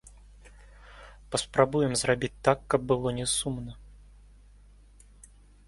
Паспрабуем зрабіць так, каб было не сумна.